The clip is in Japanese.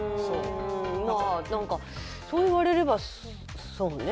まあ何かそう言われればそうね。